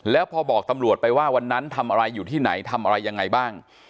แล้วพอบอกตำรวจไปว่าวันนั้นทำอะไรอยู่ที่ไหนทำอะไรยังไงบ้าง